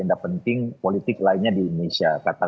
tapi kita farmjin ini sudah cukup panjang